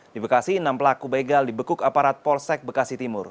di bekasi enam pelaku begal dibekuk aparat polsek bekasi timur